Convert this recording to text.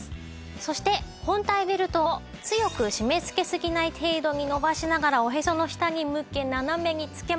そして本体ベルトを強く締め付けすぎない程度に伸ばしながらおへその下に向け斜めに着けます。